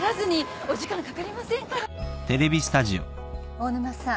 大沼さん